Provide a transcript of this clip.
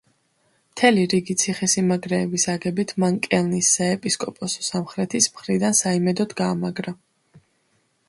მთელი რიგი ციხესიმაგრეების აგებით მან კელნის საეპისკოპოსო სამხრეთის მხრიდან საიმედოდ გაამაგრა.